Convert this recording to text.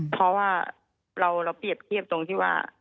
เพราะว่าเราเปรียบเทียบตรงที่ว่า